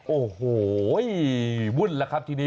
โอ้โหวุ่นแล้วครับทีนี้